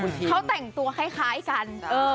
เพราะแต่เขาแต่งตัวแค่กัน